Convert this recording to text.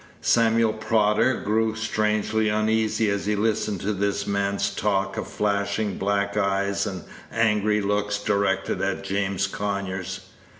Samuel Prodder grew strangely uneasy as he listened to this man's talk of flashing black eyes and angry looks directed at James Conyers.